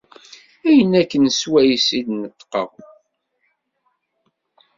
Ayen akken swayes i d-neṭqeɣ.